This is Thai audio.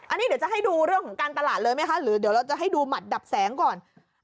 อันนี้เดี๋ยวจะให้ดูเรื่องของการตลาดเลยไหมคะหรือเดี๋ยวเราจะให้ดูหมัดดับแสงก่อน